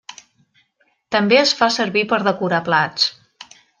També es fa servir per decorar plats.